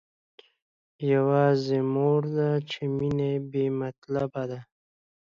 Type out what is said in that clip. يوازې مور ده چې مينه يې بې مطلبه ده.